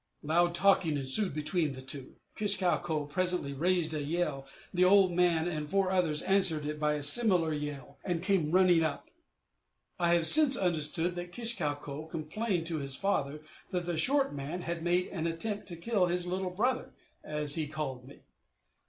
Loud talking ensued between the two. Kish kau ko presently raised a yell: the old man and four others answered it by a similar yell, and came running up. I have since understood that Kish kau ko complained to his father that the short man had made an attempt to kill his little brother, as he called me.